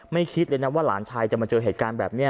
คิดเลยนะว่าหลานชายจะมาเจอเหตุการณ์แบบนี้